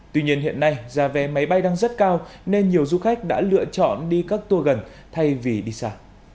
tuy nhiên hiện nay giá vé máy bay đang rất cao nên nhiều du khách đã lựa chọn đi các tour gần thay vì đi xa